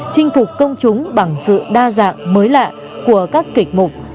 chinh phục công chúng bằng sự đa dạng mới lạ của các kịch mục